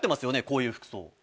こういう服装。